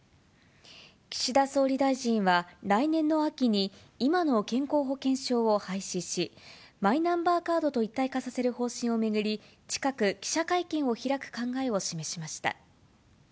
岸田総理大臣は、来年の秋に今の健康保険証を廃止し、マイナンバーカードと一体化させる方針を巡り、近く記者会見を開く考えを示しました。